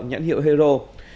nhãn hiệu hero